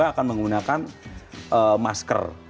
mereka akan menggunakan masker